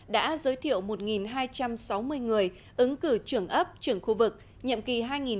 đã giới thiệu một hai trăm sáu mươi người ứng cử trưởng ấp trưởng khu vực nhậm kỳ hai nghìn một mươi sáu hai nghìn một mươi chín